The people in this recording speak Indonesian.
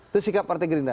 terus sikap partai gerindra